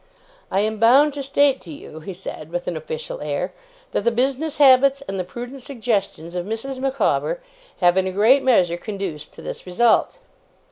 'I am bound to state to you,' he said, with an official air, 'that the business habits, and the prudent suggestions, of Mrs. Micawber, have in a great measure conduced to this result.